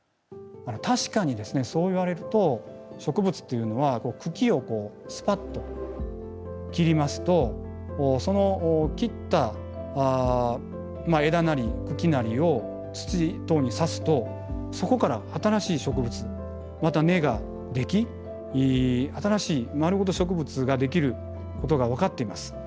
確かにですねそう言われると植物っていうのは茎をスパッと切りますとその切った枝なり茎なりを土等に挿すとそこから新しい植物また根ができ新しい丸ごと植物ができることが分かっています。